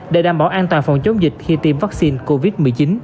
để đảm bảo an toàn phòng chống dịch khi tiêm vaccine covid một mươi chín